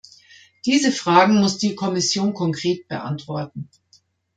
Diese Fragen muss die Kommission konkret beantworten.